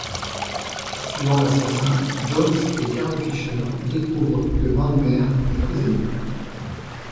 Poursuivant l'assassin, Jones et Carol Fisher découvrent que Van Meer est prisonnier.